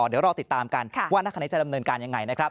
เดี๋ยวรอติดตามกันว่านักขณะนี้จะดำเนินการยังไงนะครับ